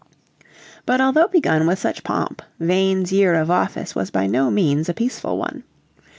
But although begun with such pomp Vane's year of office was by no means a peaceful one.